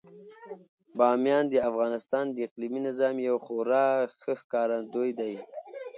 بامیان د افغانستان د اقلیمي نظام یو خورا ښه ښکارندوی دی.